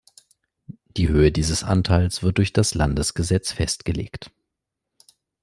Die Höhe dieses Anteils wird durch Landesgesetz festgelegt.